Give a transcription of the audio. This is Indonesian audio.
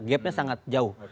gapnya sangat jauh